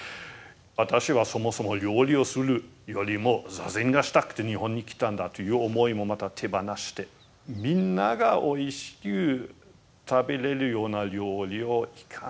私はそもそも料理をするよりも坐禅がしたくて日本に来たんだという思いもまた手放してみんながおいしく食べれるような料理をいかに作れるか。